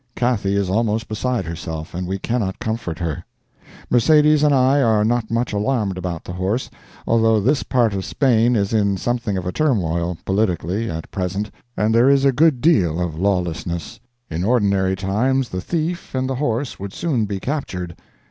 Cathy is almost beside herself, and we cannot comfort her. Mercedes and I are not much alarmed about the horse, although this part of Spain is in something of a turmoil, politically, at present, and there is a good deal of lawlessness. In ordinary times the thief and the horse would soon be captured.